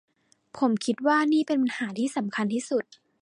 ผมคิดว่านี่เป็นปัญหาที่สำคัญที่สุด